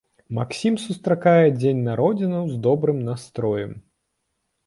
Максім сустракае дзень народзінаў з добрым настроем.